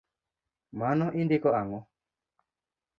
Mano indiko ang’o?